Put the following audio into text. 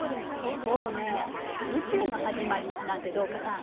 そうねぇ「宇宙のはじまり」なんてどうかな？